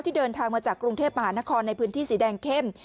เดินทางมาจากกรุงเทพมหานครในพื้นที่สีแดงเข้ม